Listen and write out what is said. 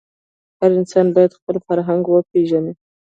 هر انسان باید خپل فرهنګ وپېژني.